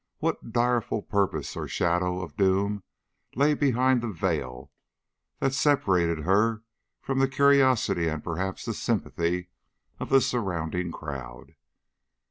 What direful purpose or shadow of doom lay behind the veil that separated her from the curiosity and perhaps the sympathy of the surrounding crowd?